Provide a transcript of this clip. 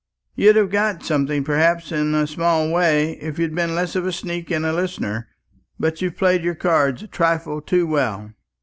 You'd have got something perhaps in a small way, if you'd been less of a sneak and a listener; but you've played your cards a trifle too well."